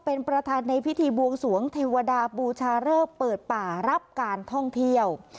เป็นประธานในพิธีบวงสวงเทวดาบูชาเริกเปิดป่ารับการท่องเที่ยว